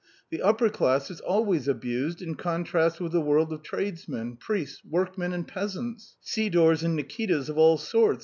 The upper class is always abused in contrast with the world of tradesmen, priests, workmen and peasants, Sidors and Nikitas of all sorts.